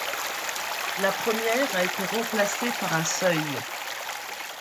La première a été remplacée par un seuil.